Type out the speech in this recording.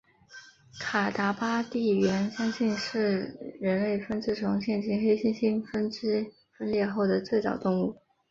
卡达巴地猿相信是人类分支从现今黑猩猩分支分裂后的最早动物。